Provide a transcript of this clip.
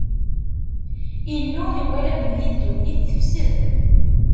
Illu iwala belli ddunit tefsed.